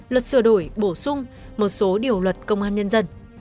luật sửa đổi bổ sung một số điều luật công an nhân dân